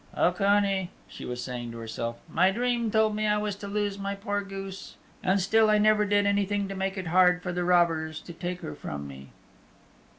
"Ocone," she was saying to herself, "my dream told me I was to lose my poor goose, and still I never did anything to make it hard for the robbers to take her from me."